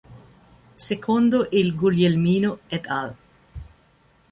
Secondo il Guglielmino et al.